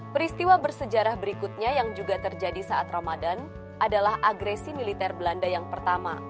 peristiwa bersejarah berikutnya yang juga terjadi saat ramadan adalah agresi militer belanda yang pertama